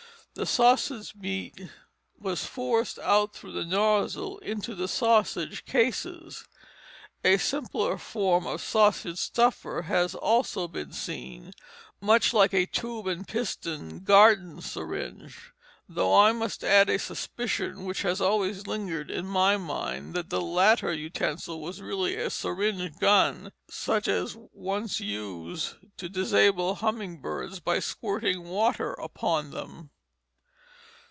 The sausage meat was forced out through the nozzle into the sausage cases. A simpler form of sausage stuffer has also been seen, much like a tube and piston garden syringe; though I must add a suspicion which has always lingered in my mind that the latter utensil was really a syringe gun, such as once was used to disable humming birds by squirting water upon them.